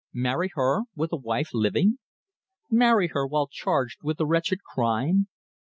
Marry her, with a wife living? Marry her while charged with a wretched crime?